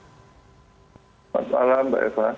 selamat malam mbak eva